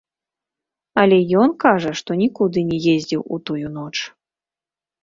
Але ён кажа, што нікуды не ездзіў у тую ноч.